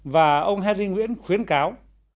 và ông henry nguyễn khuyến cáo